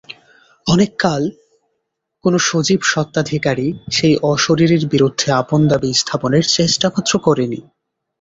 অনেককাল কোনো সজীব স্বত্বাধিকারী সেই অশরীরীর বিরুদ্ধে আপন দাবি স্থাপনের চেষ্টামাত্র করে নি।